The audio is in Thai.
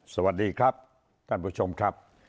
สวัสดีครับท่านผู้ชมครับ